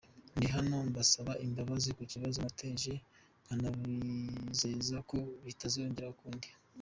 Ndi hano mbasaba imbabazi ku kibazo nateje nkanabizeza ko bitazongera ukundi”.